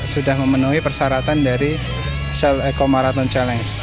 sudah memenuhi persyaratan dari sel eco marathon challenge